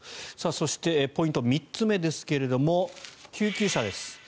そして、ポイント３つ目ですが救急車です。